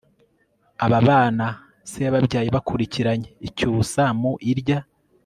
aba bana se yabyaye bakuranye icyusa mu irya